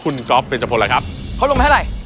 ร้าน๒ครับนี่แพงสุดเลยร้าน๒ร้าน๒๒๕แล้วกันครับ๒๕